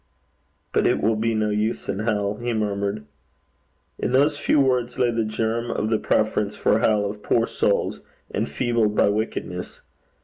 'But it will be no use in hell,' he murmured. In those few words lay the germ of the preference for hell of poor souls, enfeebled by wickedness.